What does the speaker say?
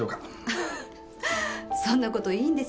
フフッそんなこといいんです。